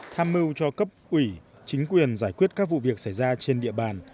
tham mưu cho cấp ủy chính quyền giải quyết các vụ việc xảy ra trên địa bàn